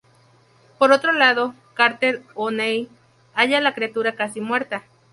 Por otro lado, Carter y O'Neill hallan a la criatura casi muerta.